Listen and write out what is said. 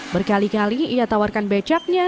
berkali kali ia tawarkan becaknya